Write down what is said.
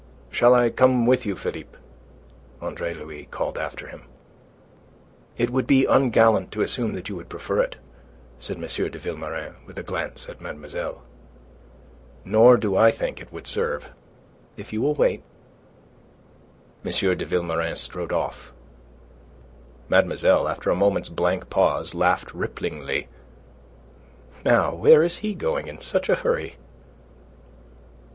"Shall I come with you, Philippe?" Andre Louis called after him. "It would be ungallant to assume that you would prefer it," said M. de Vilmorin, with a glance at mademoiselle. "Nor do I think it would serve. If you will wait..." M. de Vilmorin strode off. Mademoiselle, after a moment's blank pause, laughed ripplingly. "Now where is he going in such a hurry?"